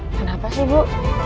kenapa sih bu